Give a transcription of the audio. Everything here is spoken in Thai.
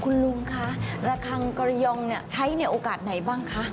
คุณลุงคะระคังกรยองใช้ในโอกาสไหนบ้างคะ